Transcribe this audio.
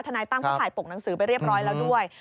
นายตั้มก็ถ่ายปกหนังสือไปเรียบร้อยแล้วด้วย